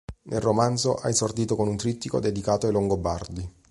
Nel romanzo ha esordito con un trittico dedicato ai Longobardi.